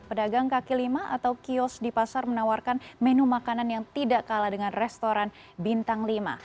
pedagang kaki lima atau kios di pasar menawarkan menu makanan yang tidak kalah dengan restoran bintang lima